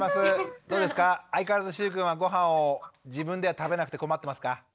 どうですか相変わらずしゅうくんはごはんを自分では食べなくて困ってますか？